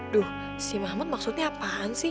duh si mahmud maksudnya apaan sih